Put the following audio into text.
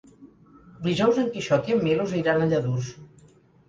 Dijous en Quixot i en Milos iran a Lladurs.